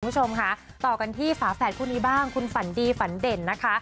คุณผู้ชมค่ะต่อกันที่ฝาแฝดคู่นี้บ้างคุณฝันดีฝันเด่นนะคะ